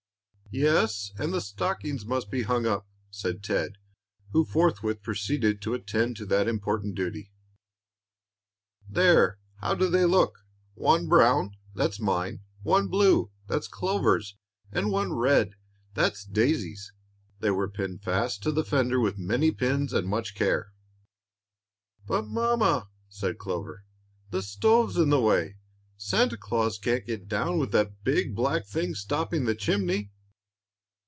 "Yes, and the stockings must be hung up," said Ted, who forthwith proceeded to attend to that important duty. "There! how do they look? one brown, that's mine; one blue, that's Clover's; and one red, that's Daisy's." They were pinned fast to the fender with many pins and much care. "But, mamma," said Clover, "the stove's in the way. Santa Claus can't get down with that big black thing stopping the chimney."